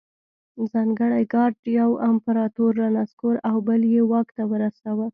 ځانګړي ګارډ یو امپرتور رانسکور او بل یې واک ته رساوه.